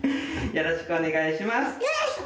よろしくお願いします！